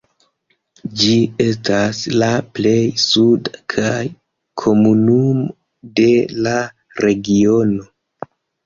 Ĝi estas la plej suda kaj komunumo de la regiono.